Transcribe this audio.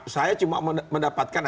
saya cuma mendapatkan